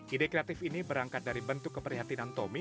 ide kreatif ini berangkat dari bentuk keprihatinan tommy